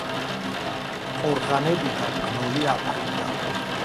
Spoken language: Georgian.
ყორღანებიდან გნოლი აფრინდა.